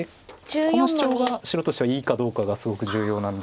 このシチョウが白としてはいいかどうかがすごく重要なんですけれども。